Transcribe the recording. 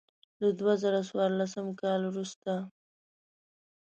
له دوه زره څوارلسم کال وروسته.